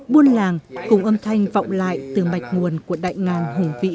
buôn làng cùng âm thanh vọng lại từ mạch nguồn của đại ngàn hùng vĩ